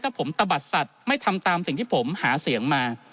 ถ้าผมตะบัดสัตว์ไม่ทำตามสิ่งที่ผมหาเสียงมา